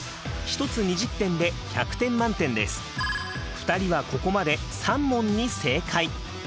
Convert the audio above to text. ２人はここまで３問に正解。